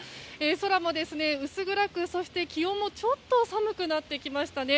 空も薄暗く、そして気温もちょっと寒くなってきましたね。